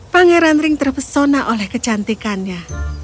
pangeran ring terpesona oleh kecantikannya